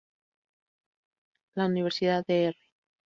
La Universidad Dr.